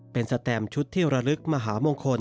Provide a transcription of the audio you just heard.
เป็นสแตมชุดที่ระลึกมหามงคล